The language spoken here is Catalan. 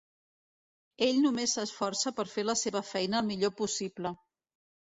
Ell només s'esforça per fer la seva feina el millor possible.